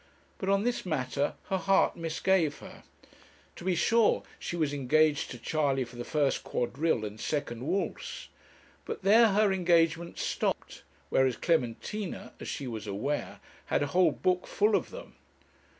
But on this matter her heart misgave her. To be sure, she was engaged to Charley for the first quadrille and second waltz; but there her engagements stopped, whereas Clementina, as she was aware, had a whole book full of them.